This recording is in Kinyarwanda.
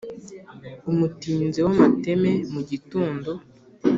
Umutinzi w'amateme mu gitondo,